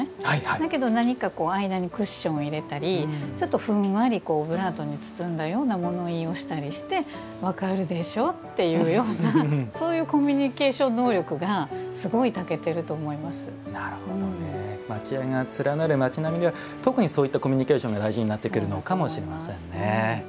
だけど、何か間にクッションを入れたりちょっとふんわりオブラートに包んだような物言いをして分かるでしょうっていうようなそういうコミュニケーション能力が町家が連なる町並みでは特にそういったコミュニケーションが大事になってくるのかもしれませんね。